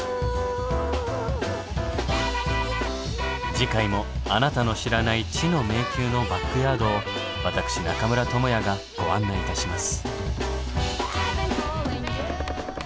次回もあなたの知らない知の迷宮のバックヤードを私中村倫也がご案内いたします。